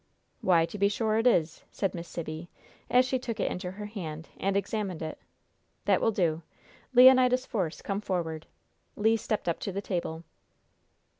"Why, to be sure it is!" said Miss Sibby, as she took it into her hand and examined it. "That will do! Leonidas Force, come forward." Le stepped up to the table.